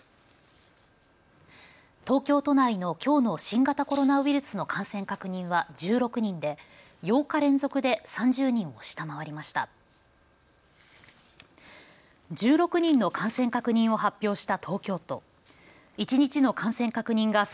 東京都内のきょうの新型コロナウイルスの感染確認は１６人で、８日連続で３０人を下回りました。